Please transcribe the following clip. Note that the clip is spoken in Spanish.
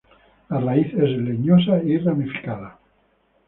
La raíz es leñosa y ramificada.